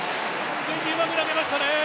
うまく投げましたね。